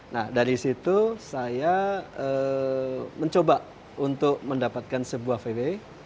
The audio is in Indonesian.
nah dari situ saya mencoba untuk mendapatkan sebuah vw